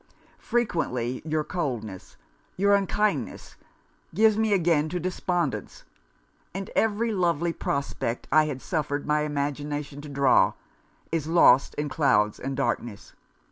Frequently, your coldness, your unkindness, gives me again to despondence; and every lovely prospect I had suffered my imagination to draw, is lost in clouds and darkness.